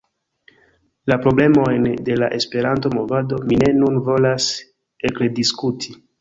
La problemojn de la Esperanto-movado mi ne nun volas ekrediskuti.